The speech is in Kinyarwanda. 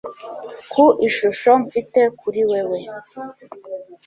Ku ishusho mfite kuri wewe,